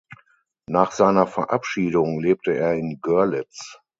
Nach seiner Verabschiedung lebte er in Görlitz.